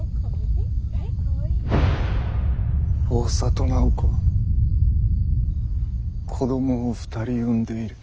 大郷楠宝子は子供を２人産んでいる。